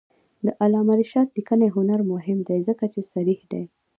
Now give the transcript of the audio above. د علامه رشاد لیکنی هنر مهم دی ځکه چې صریح دی.